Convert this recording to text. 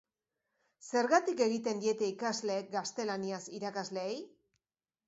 Zergatik egiten diete ikasleek gaztelaniaz irakasleei?